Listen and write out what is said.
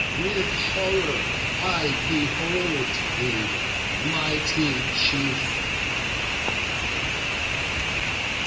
With horror I behold thee, mighty chief!"